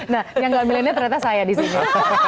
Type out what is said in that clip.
nah yang gak milenial ternyata saya di sini